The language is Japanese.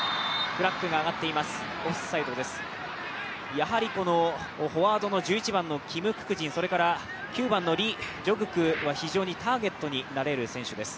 やはりこのフォワードの１１番のキム・ククジン、それから９番のリ・ジョグク、非常にターゲットになれる選手です。